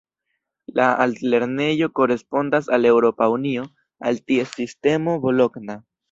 La altlernejo korespondas al Eŭropa Unio al ties sistemo Bologna.